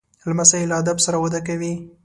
لمسی له ادب سره وده کوي.